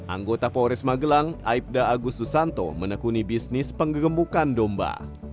anggota polres magelang aibda agus susanto menekuni bisnis penggemukan domba